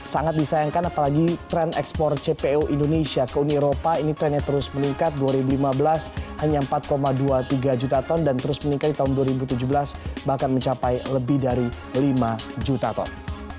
sangat disayangkan apalagi tren ekspor cpo indonesia ke uni eropa ini trennya terus meningkat dua ribu lima belas hanya empat dua puluh tiga juta ton dan terus meningkat di tahun dua ribu tujuh belas bahkan mencapai lebih dari lima juta ton